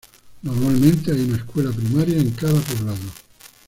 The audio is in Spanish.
Normalmente hay una escuela primaria en cada poblado.